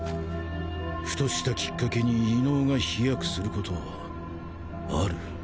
ふとしたキッカケに異能が飛躍することはある